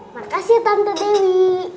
makasih tante dewi